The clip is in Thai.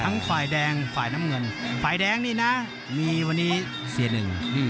ฝ่ายแดงฝ่ายน้ำเงินฝ่ายแดงนี่นะมีวันนี้เสียหนึ่ง